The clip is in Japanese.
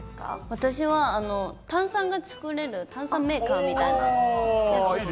私は炭酸が作れる炭酸メーカーみたいなの。